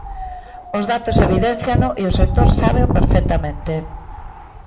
Os datos evidénciano e o sector sábeo perfectamente.